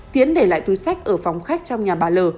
tiến để lại túi sách ở phòng khách trong nhà bà l